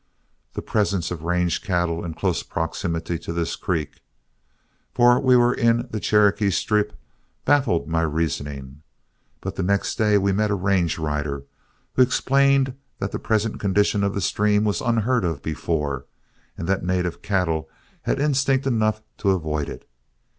The presence of range cattle in close proximity to this creek, for we were in the Cherokee Strip, baffled my reasoning; but the next day we met a range rider who explained that the present condition of the stream was unheard of before, and that native cattle had instinct enough to avoid it.